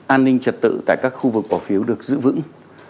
an ninh trật tự tại các khu vực bầu cử được giữ vững